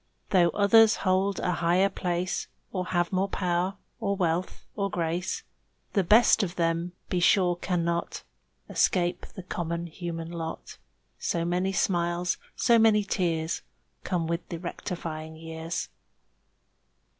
Though others hold a higher place Or have more power or wealth or grace, The best of them, be sure, cannot Escape the common human lot; So many smiles, so many tears Come with the rectifying years.